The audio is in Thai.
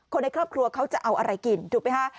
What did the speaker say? ในครอบครัวเขาจะเอาอะไรกินถูกไหมฮะ